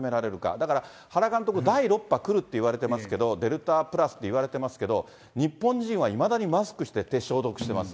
だから、原監督、第６波、来るっていわれてますけど、デルタプラスっていわれていますけれども、日本人はいまだにマスクして、手消毒してます。